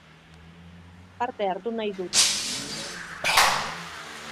Parte hartu nahi dut